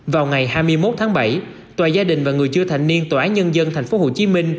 vào ngày hai mươi một tháng bảy tòa gia đình và người chưa thành niên tòa án nhân dân tp hcm